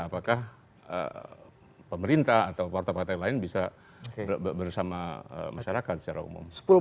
apakah pemerintah atau warta warta yang lain bisa bersama masyarakat secara umum